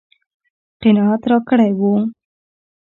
قناعت راکړی و.